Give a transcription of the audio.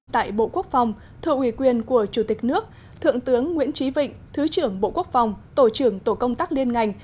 tại bộ quốc phòng thượng ủy quyền của chủ tịch nước thượng tướng nguyễn trí vịnh thứ trưởng bộ quốc phòng tổ trưởng tổ công tác liên ngành